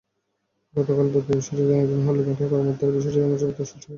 গতকাল বুধবার বিষয়টি জানাজানি হলে ব্যাংকের কর্মকর্তারা বিষয়টি ধামাচাপা দেওয়ার চেষ্টা করেন।